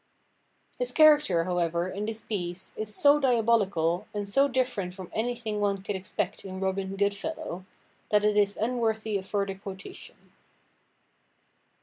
His character, however, in this piece, is so diabolical, and so different from anything one could expect in Robin Good–fellow, that it is unworthy of further quotation.